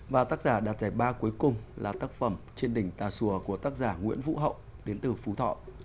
và tác giả đạt giải ba cuối cùng là tác phẩm trên đỉnh tà sùa của tác giả nguyễn vũ hậu đến từ phú thọ